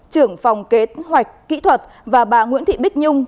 trưởng phòng kế hoạch kỹ thuật và bà nguyễn thị bích nhung